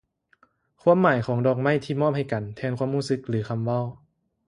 ຄວາມໝາຍຂອງດອກໄມ້ທີ່ມອບໃຫ້ກັນ ແທນຄວາມຮູ້ສຶກ ຫຼື ຄໍາເວົ້າ